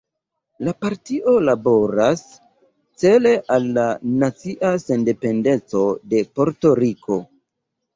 La partio laboras cele al la nacia sendependeco de Porto-Riko.